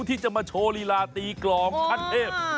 ที่จะมาโชว์ลีลาตีกรองขั้นเทพ